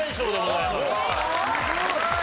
すごい！